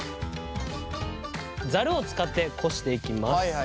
ざるを使ってこしていきます。